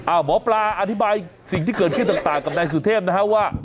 หมอปลาอธิบายสิ่งที่เกิดขึ้นต่างกับนายสุเทพนะฮะว่า